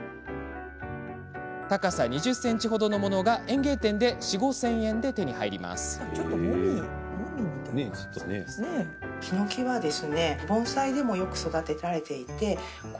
高さ２０ｃｍほどのものが園芸店で４０００、５０００円で手に入ります。